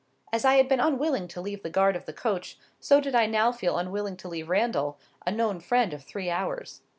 As I had been unwilling to leave the guard of the coach, so did I now feel unwilling to leave Randal, a known friend of three hours.